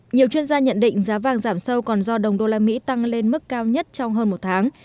nhiều chuyên gia nhận định giá vàng giảm sâu còn do đồng đô la mỹ tăng lên mức cao nhất trong hơn một tháng